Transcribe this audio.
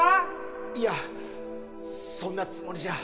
いやそんなつもりじゃ。